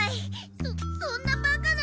そそんなバカな！